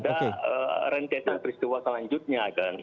jangan ada rentesan peristiwa selanjutnya kan